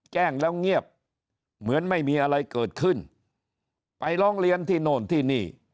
แจ้งแล้วเงียบเหมือนไม่มีอะไรเกิดขึ้นไปร้องเรียนที่โน่นที่นี่